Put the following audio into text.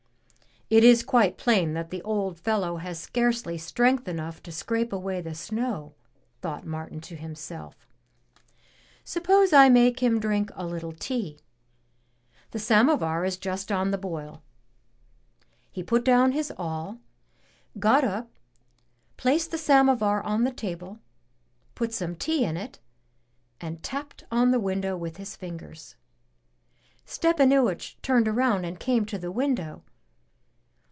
'It is quite plain that the old fellow has scarcely strength enough to scrape away the snow," thought Martin to himself, Suppose I make him drink a little tea! The samovar is just on the boil." He put down his awl, got up, placed the samovar on the table, put some tea in it, and tapped on the window with his fingers. Stepanuich turned round and came to the window.